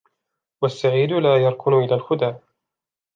وَالسَّعِيدُ لَا يَرْكَنُ إلَى الْخُدَعِ